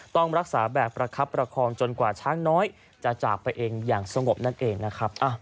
ต้องรักษาแบบประคับประคองจนกว่าช้างน้อยจะจากไปเองอย่างสงบนั่นเองนะครับ